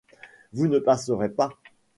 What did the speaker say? Vous ne passerez pas.